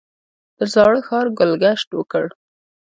تر زاړه ښاره ګل ګشت وکړ.